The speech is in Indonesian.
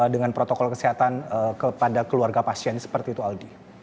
dengan protokol kesehatan kepada keluarga pasien seperti itu aldi